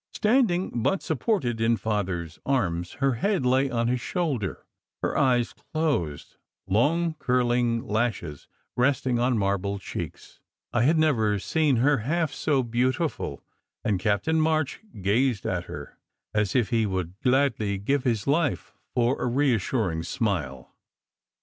Standing, but supported in Father s arms, her head lay on his shoulder, her eyes closed, long curling lashes resting on marble cheeks. I had never seen her half so beautiful, and Captain March gazed at her as if he Would gladly give his life for a reassuring smile.